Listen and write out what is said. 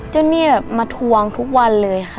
เนี่ยแบบมาทวงทุกวันเลยค่ะ